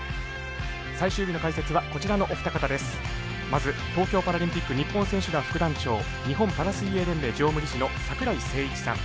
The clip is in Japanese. まず東京パラリンピック日本選手団副団長日本パラ水泳連盟常務理事の櫻井誠一さん。